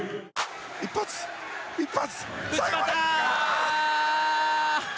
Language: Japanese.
一発、一発。